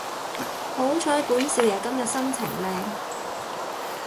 好彩本少爺今日心情靚